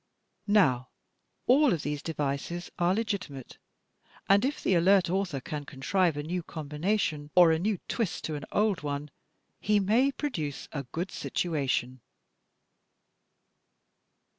Now all of these devices are legitimate, and if the alert author can contrive a new combination, or a new twist to an old one, he may produce a good situation.